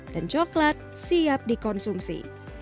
dan coklat siap dikonsumsi